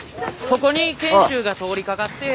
そこに賢秀が通りかかって。